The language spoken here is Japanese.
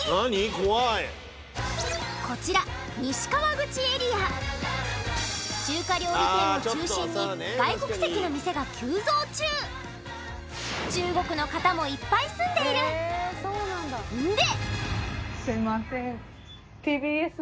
怖いこちら中華料理店を中心に外国籍の店が急増中中国の方もいっぱい住んでいるんで！